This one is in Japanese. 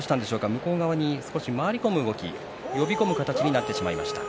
向こう側に少し回り込む動き呼び込む形になってしまいました。